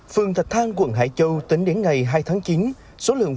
phường thạch thang quận hải châu tính đến ngày hai tháng chín